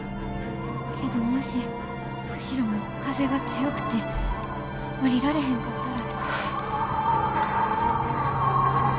けどもし釧路も風が強くて降りられへんかったら。